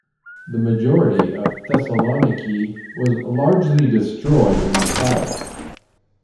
The majority of Thessaloniki was largely destroyed in the fire.